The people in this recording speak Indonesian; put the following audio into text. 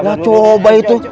nah coba itu